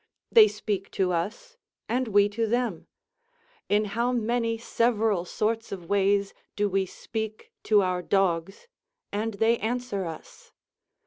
They speak to us, and we to them. In how many several sorts of ways do we speak to our dogs, and they answer us?